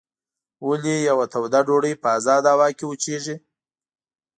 ولې یوه توده ډوډۍ په ازاده هوا کې وچیږي؟